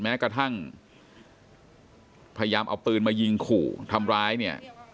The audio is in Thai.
แม้กระทั่งพยายามเอาปืนมายิงขู่ทำร้ายเนี่ย